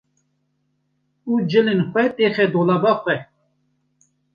û cilên xwe têxe dolaba xwe.